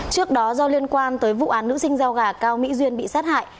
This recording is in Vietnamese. trước đó do liên quan tới vụ án nữ sinh rau gà cao mỹ duyên bị sát hại